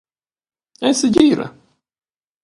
Eis segira?